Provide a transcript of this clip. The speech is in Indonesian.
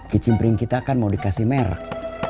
kicimpring kita kan mau dikasih merek